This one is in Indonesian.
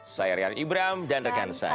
saya rian ibram dan rekan saya